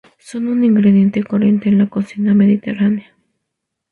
Son un ingrediente corriente en la cocina mediterránea.